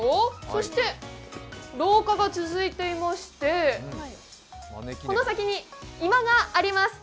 そして廊下が続いていまして、この先に居間があります。